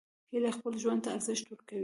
هیلۍ خپل ژوند ته ارزښت ورکوي